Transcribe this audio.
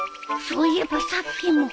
そういえばさっきも